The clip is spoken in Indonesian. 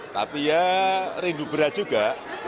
tapi ya rindu berat juga